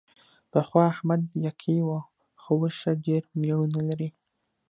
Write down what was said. پخوا احمد یکه و، خو اوس ښه ډېر مېړونه لري.